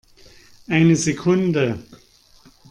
Eine Sekunde!